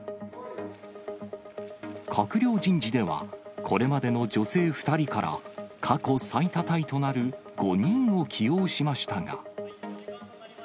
閣僚人事ではこれまでの女性２人から、過去最多タイとなる５人を起用しましたが。